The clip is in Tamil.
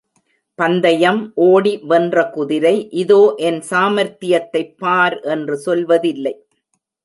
பந்தயம் ஓடி வென்ற குதிரை, இதோ என் சாமர்த்தியத்தைப் பார்! என்று சொல்வதில்லை.